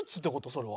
それは。